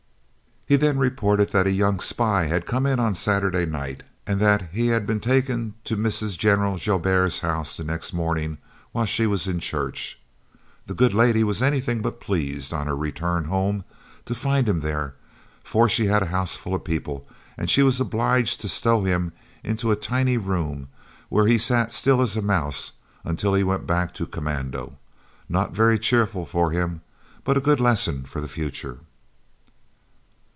He then reported that a young spy had come in on Saturday night and that he had been taken to Mrs. General Joubert's house the next morning while she was in church. The good lady was anything but pleased, on her return home, to find him there, for she had a houseful of people, and she was obliged to stow him into a tiny room, where he sat as still as a mouse, until he went back to commando. Not very cheerful for him, but a good lesson for the future!